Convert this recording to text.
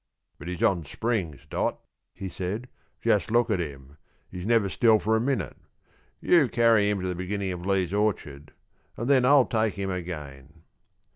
"But he's on springs, Dot," he said; "just look at him, he's never still for a minute; you carry him to the beginning of Lee's orchard, and then I'll take him again."